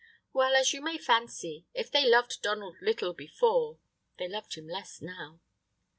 Well, as you may fancy, if they loved Donald little before, they loved him less now.